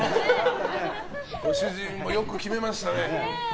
ご主人もよく決めましたね。